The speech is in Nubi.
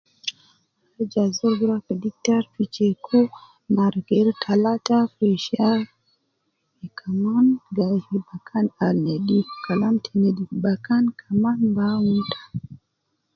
Aju azol gi rua fi diktar fi check uwo mar geri talata fi shar, kaman gai fi bakan al nedif Kalam te nedif bakan kaman bi awun ita